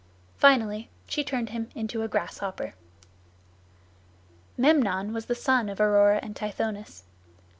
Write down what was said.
Finally she turned him into a grasshopper. Memnon was the son of Aurora and Tithonus.